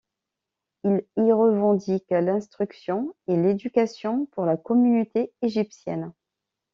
Il y revendique l’instruction et l’éducation pour la communauté égyptienne.